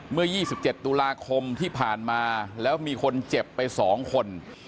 เมื่อ๒๗ตุลาคมที่ผ่านมาแล้วมีคนเจ็บไป๒คน